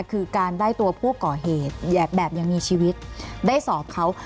คือการได้ตัวผู้ก่อเหตุแบบยังมีชีวิตได้สอบเขา